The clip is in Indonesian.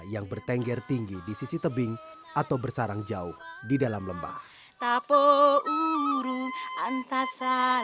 yang masuk ke indonesia sama dengan orang batak dan nias